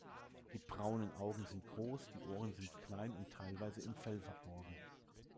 Die braunen Augen sind groß, die Ohren sind klein und teilweise im Fell verborgen.